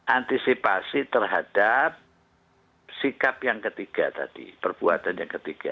antisipasi terhadap sikap yang ketiga tadi perbuatan yang ketiga